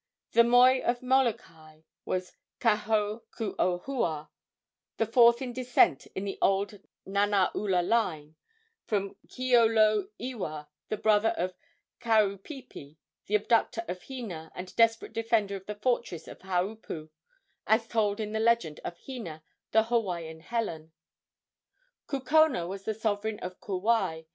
The moi of Molokai was Kahokuohua, the fourth in descent in the old Nanaula line from Keoloewa, the brother of Kaupeepee, the abductor of Hina and desperate defender of the fortress of Haupu, as told in the legend of "Hina, the Hawaiian Helen." Kukona was the sovereign of Kauai.